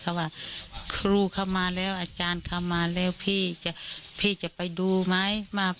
เขาว่าครูเข้ามาแล้วอาจารย์เข้ามาแล้วพี่จะพี่จะไปดูไหมว่า